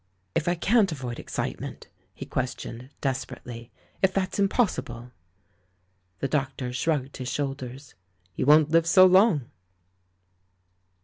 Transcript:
*'If I can't avoid excitement," he questioned, desperately — "if that's impossible?" The doctor shrugged his shoulders. "you won't live so long."